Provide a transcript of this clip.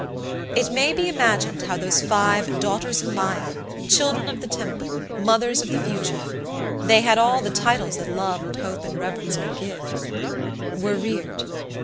It may be imagined how those five Daughters of Maaia, Children of the Temple, Mothers of the Future they had all the titles that love and hope and reverence could give were reared.